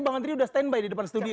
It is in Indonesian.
bang adri udah stand by di depan studio